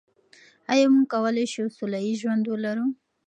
آیا موږ کولای شو سوله ییز ژوند ولرو؟